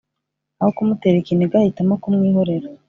aho kumutera ikiniga, ahitamo kumwihorera.